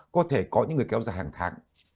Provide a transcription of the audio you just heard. có thể có những người kéo dài hàng tháng